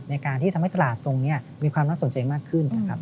ในการที่ทำให้ตลาดตรงนี้มีความรักสนใจมากขึ้น